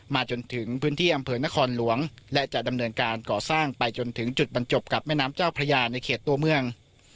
จนถึงพื้นที่อำเภอนครหลวงและจะดำเนินการก่อสร้างไปจนถึงจุดบรรจบกับแม่น้ำเจ้าพระยาในเขตตัวเมือง